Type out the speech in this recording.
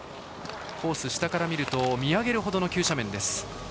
コース下から見ると見上げるほどの急斜面です。